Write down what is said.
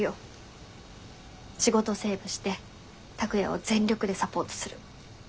仕事セーブして拓哉を全力でサポートする。